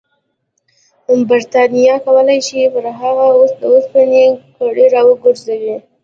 برټانیه کولای شي پر هغه د اوسپنې کړۍ راوګرځوي.